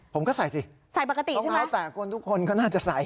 ผมก็ใส่สิใส่ปกติรองเท้าแตกคนทุกคนก็น่าจะใส่